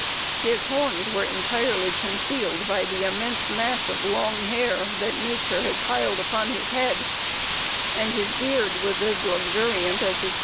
His horns were entirely concealed by the immense mass of long hair that nature had piled upon his head, and his beard was as luxuriant as his frontlet.